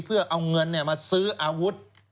เพื่อเอาเงินมาซื้ออาวุธ